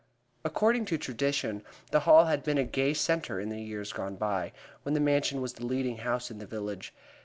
According to tradition, the hall had been a gay centre in the years gone by, when the Mansion was the leading house in the village.